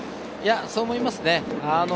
そう思います。